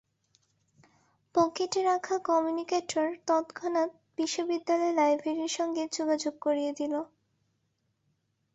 পকেটে রাখা কম্যুনিকেটর তৎক্ষণাৎ বিশ্ববিদ্যালয় লাইব্রেরির সঙ্গে যোগাযোগ করিয়ে দিল।